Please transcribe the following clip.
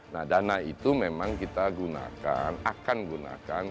nah dana itu memang kita gunakan akan gunakan